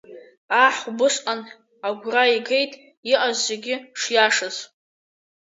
Аҳ убысҟан агәра игеит иҟаз зегьы шиашаз.